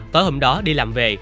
tới hôm đó đi làm về